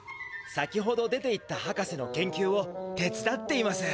先ほど出ていったはかせの研究を手つだっています。